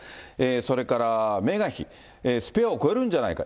それからメーガン妃、スペアを超えるんじゃないか。